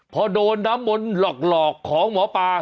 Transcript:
พอโดนน้ำมนต์หลอกของหมอปลา